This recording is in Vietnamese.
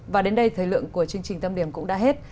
và đến đây thời lượng của chương trình tâm điểm cũng đã hết